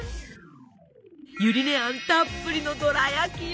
ゆり根あんたっぷりのどら焼きよ！